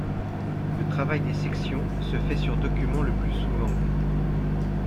Le travail des sections se fait sur document le plus souvent.